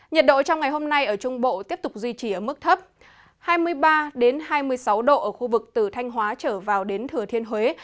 nhiệt độ trong ngày hôm nay ở trung bộ tiếp tục duy trì ở mức thấp hai mươi ba hai mươi sáu độ ở khu vực từ thanh hóa trở vào đến thừa thiên huế